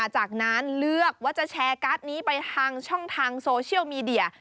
จากนั้นเลือกว่าจะแชร์การ์ดนี้ไปทางช่องทางโซเชียลมีเดีย